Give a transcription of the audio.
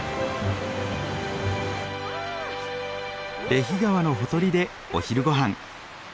レヒ川のほとりでお昼ごはん。